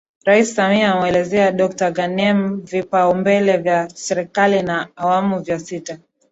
Rais Samia amemueleza Dokta Ghanem vipaumbele vya Serikali ya awamu ya sita